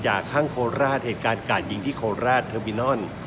ข้างโคราชเหตุการณ์กาดยิงที่โคราชเทอร์มินอน